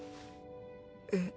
えっ？